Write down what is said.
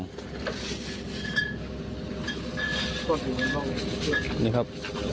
พี่ครับ